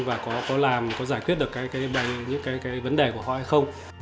và có làm có giải quyết được những cái vấn đề của họ hay không